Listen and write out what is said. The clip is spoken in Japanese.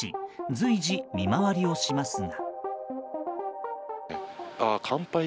随時、見回りをしますが。